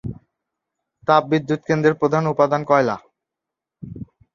তাপবিদ্যুৎ কেন্দ্রের প্রধান উপাদান কয়লা।